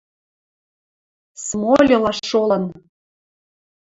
смольыла шолын: